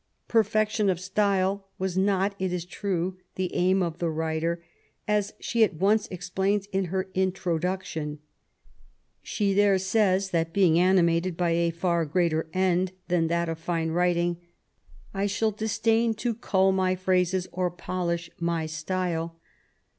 Perfection of style was not, it is true, the aim of the writer, as she at once explains in her Introduction. She there says, that being animated by a far greater end than that of fine writing, —... I shall disdain to cuU my phrases or polish my style.